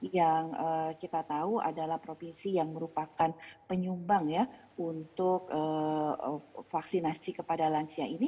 yang kita tahu adalah provinsi yang merupakan penyumbang ya untuk vaksinasi kepada lansia ini